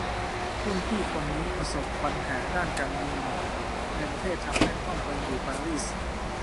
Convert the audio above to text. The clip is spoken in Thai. รุ่นพี่คนนี้ประสบปัญหาด้านการเมืองในประเทศทำให้ต้องไปอยู่ปารีส